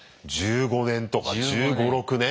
１５年とか１５１６年？